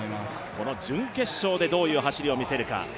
この準決勝でどういう走りを見せるか。